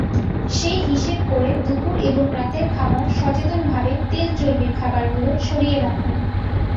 সেই হিসাব করে দুপুর এবং রাতের খাবার সচেতনভাবে তেল-চর্বির খাবারগুলো সরিয়ে রাখুন।